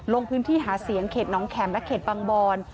ลงพื้นที่หาเสียงเขตน้องแข็มและเขตบางบอน